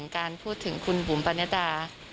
การพูดถึงคุณบุ๋มปรณดา